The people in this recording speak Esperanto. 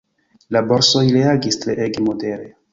La borsoj reagis treege modere.